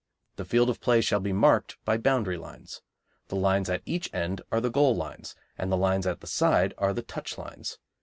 The field of play shall be marked by boundary lines. The lines at each end are the goal lines, and the lines at the side are the touch lines.